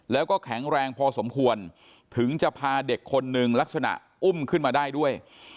แล้วก็แข็งแรงพอสมควรถึงจะพาเด็กคนนึงลักษณะอุ้มขึ้นมาได้ด้วย